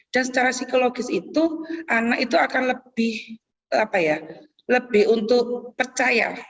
dan secara psikologis itu anak itu akan lebih untuk percaya